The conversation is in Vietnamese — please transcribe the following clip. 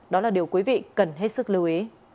đó là điều quý vị cần hết sức lưu ý